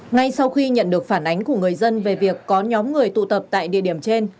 ngay sau khi nhận được phản ánh của người dân về việc có nhóm người tụ tập tại địa điểm trên